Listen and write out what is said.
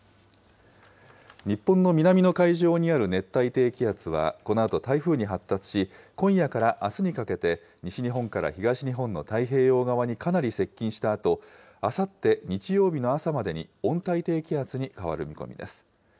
日本の南の海上にある熱帯低気圧はこのあと台風に発達し、今夜からあすにかけて、西日本から東日本の太平洋側にかなり接近したあと、あさって日曜日の朝までに温帯低気圧に変わる見込みです。